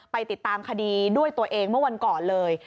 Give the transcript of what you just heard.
ไปติดตามคดีด้วยตัวเองเมื่อวันก่อนเลย